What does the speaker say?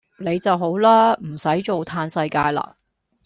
你就好啦！唔駛做嘆世界啦